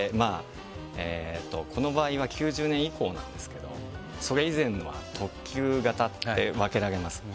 この場合は９０年以降なんですけどそれ以前は特級型って分けられます。